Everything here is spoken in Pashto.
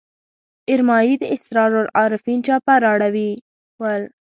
ارمایي د اسرار العارفین چاپه راوړي ول.